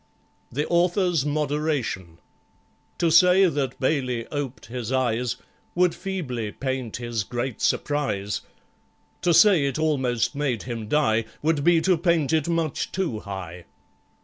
The Author's Moderation To say that BAILEY oped his eyes Would feebly paint his great surprise— To say it almost made him die Would be to paint it much too high.